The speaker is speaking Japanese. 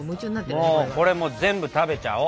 もうこれ全部食べちゃお！